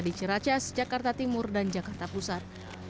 di ciracas jakarta timur dan jakarta pusat